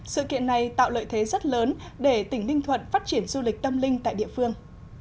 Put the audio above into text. sự kiện này tạo lợi thế rất lớn để tỉnh ninh thuận phát triển du lịch tâm linh tại địa phương